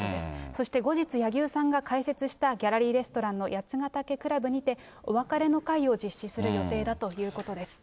そして後日、柳生さんが開設したギャラリーレストランの八ヶ岳倶楽部にて、お別れの会を実施する予定だということです。